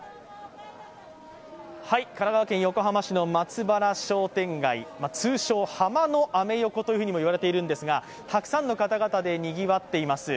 神奈川県横浜市の松原商店街、通称、ハマのアメ横と言われているんですがたくさんの方々でにぎわっています。